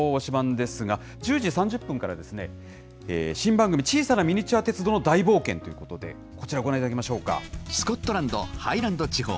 ですが、１０時３０分からですね、新番組、小さなミニチュア鉄道の大冒険ということで、こちら、ご覧いただスコットランド・ハイランド地方。